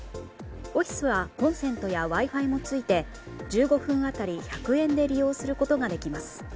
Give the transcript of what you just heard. オフィスはコンセントやＷｉ‐Ｆｉもついて１５分当たり１００円で利用することができます。